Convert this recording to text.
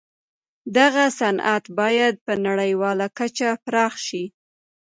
دغه صنعت بايد په نړيواله کچه پراخ شي.